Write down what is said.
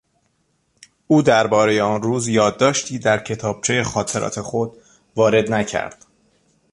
او دربارهی آن روز یادداشتی در کتابچهی خاطرات خود وارد نکرد.